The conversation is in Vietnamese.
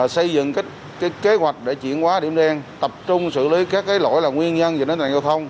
xây dựng kế hoạch để chuyển hóa điểm đen tập trung xử lý các cái lỗi là nguyên nhân về điểm đen giao thông